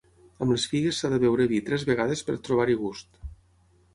Amb les figues s'ha de beure vi tres vegades per trobar-hi gust.